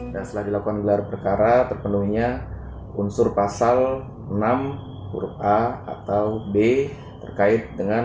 nah setelah dilakukan gelar perkara terpenuhinya unsur pasal enam huruf a atau b terkait dengan